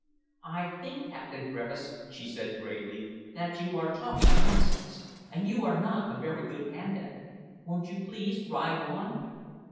"I think, Captain Griffiths," she said gravely, "that you are talking nonsense, and you are not a very good hand at it. Won't you please ride on?"